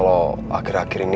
lo jadian sama raya